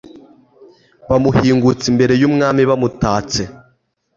Bamuhingutsa imbere y’umwami bamutatse